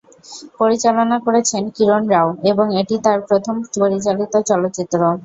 পরিচালনা করেছেন কিরণ রাও, এবং এটি তার প্রথম পরিচালিত চলচ্চিত্র।